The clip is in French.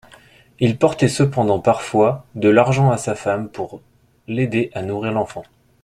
Il portait cependant parfois de l'argent à sa femme pour l'aider à nourrir l'enfant.